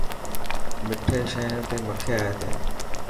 مٺي شين تي مکي اي تي.